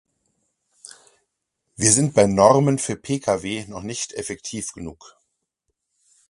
Wir sind bei Normen für Pkw noch nicht effektiv genug.